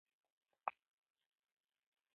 رضوان وویل چې دا د فلسطینیانو رسټورانټ دی.